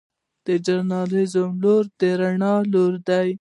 د ژورنالیزم رول د رڼا راوړل دي.